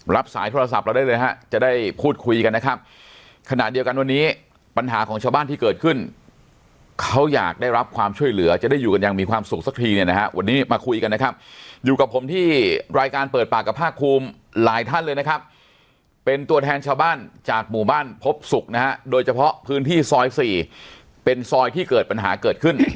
สายโทรศัพท์เราได้เลยฮะจะได้พูดคุยกันนะครับขณะเดียวกันวันนี้ปัญหาของชาวบ้านที่เกิดขึ้นเขาอยากได้รับความช่วยเหลือจะได้อยู่กันอย่างมีความสุขสักทีเนี่ยนะฮะวันนี้มาคุยกันนะครับอยู่กับผมที่รายการเปิดปากกับภาคภูมิหลายท่านเลยนะครับเป็นตัวแทนชาวบ้านจากหมู่บ้านพบศุกร์นะฮะโดยเฉพาะพื้นที่ซอยสี่เป็นซอยที่เกิดปัญหาเกิดขึ้น